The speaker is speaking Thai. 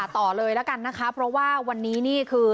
ต่อเลยแล้วกันนะคะเพราะว่าวันนี้นี่คือ